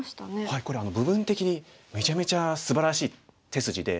これは部分的にめちゃめちゃすばらしい手筋で。